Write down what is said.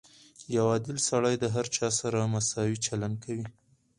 • یو عادل سړی د هر چا سره مساوي چلند کوي.